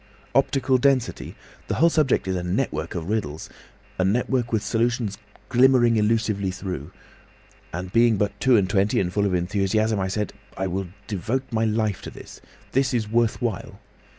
"Optical density! The whole subject is a network of riddles—a network with solutions glimmering elusively through. And being but two and twenty and full of enthusiasm, I said, 'I will devote my life to this. This is worth while.